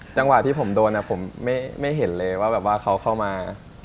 จังหวะที่ผมโดนผมไม่เห็นเลยว่าแบบว่าเขาเข้ามา